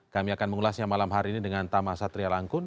kami akan mengulasnya malam hari ini dengan tama satria langkun